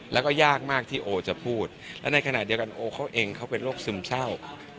แล้วก็ยากมากที่โอจะพูดและในขณะเดียวกันโอเขาเองเขาเป็นโรคซึมเศร้า